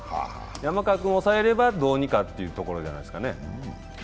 山川君を抑えればどうにかというところじゃないですかね。